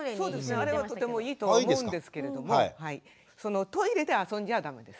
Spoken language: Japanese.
あれはとてもいいと思うんですけれどもトイレで遊んじゃ駄目です。